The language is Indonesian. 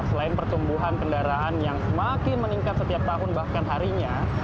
selain pertumbuhan kendaraan yang semakin meningkat setiap tahun bahkan harinya